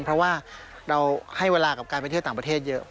เพราะว่าเราให้เวลากับการไปเที่ยวต่างประเทศเยอะ